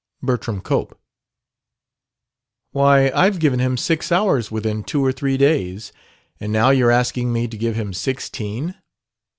"Bertram Cope." "Why, I've given him six hours within two or three days. And now you're asking me to give him sixteen."